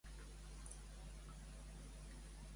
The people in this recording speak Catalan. De Rallui, el diable en fuig.